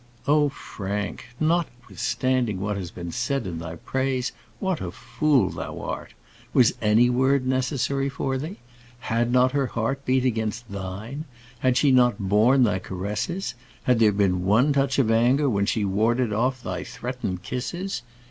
Oh, Frank! notwithstanding what has been said in thy praise, what a fool thou art! Was any word necessary for thee? Had not her heart beat against thine? Had she not borne thy caresses? Had there been one touch of anger when she warded off thy threatened kisses?